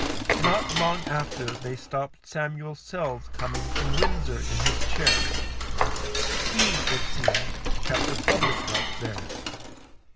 Not long after they stopped Samuel Sells coming from Windsor, in his chair. He, it seems, kept a public house there.